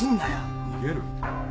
逃げる？